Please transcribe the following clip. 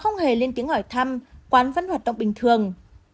ngồi thăm quán vẫn hoạt động bình thường